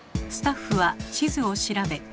スタッフは地図を調べ